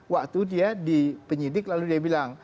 waktu dia dipenyidik lalu dia bilang